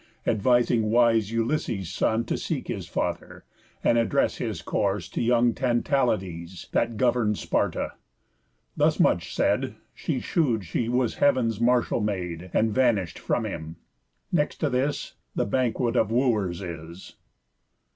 Advising wise Ulysses' son To seek his father, and address His course to young Tantalides, That govern'd Sparta. Thus much said, She shew'd she was Heav'n's martial Maid, And vanish'd from him. Next to this, The Banquet of the Wooers is.